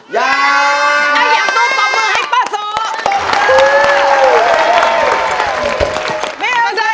อยากรู้ตอบมือให้ป้าโส